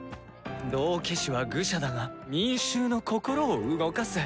「道化師は愚者だが民衆の心を動かす」。